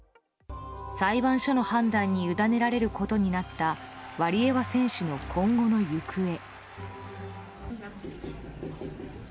裁判所の判断に委ねられることになったワリエワ選手の今後の行方。